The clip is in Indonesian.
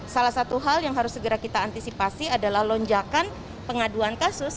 salah satu hal yang harus segera kita antisipasi adalah lonjakan pengaduan kasus